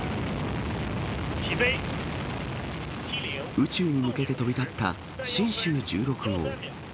宇宙に向けて飛び立った神舟１６号。